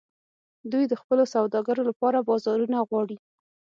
دوی د خپلو سوداګرو لپاره بازارونه غواړي